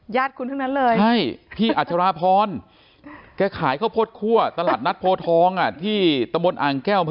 คุณทั้งนั้นเลยใช่พี่อัชราพรแกขายข้าวโพดคั่วตลาดนัดโพทองที่ตะบนอ่างแก้ว